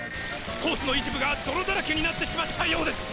コースの一部がどろだらけになってしまったようです。